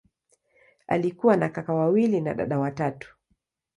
Alikuwa na kaka wawili na dada watatu.